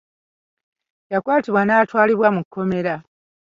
Yakwatibwa n'atwalibwa mu kkomera.